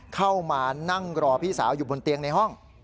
เข้ามานั่งรอพี่สาวอยู่บนเตียงในห้อง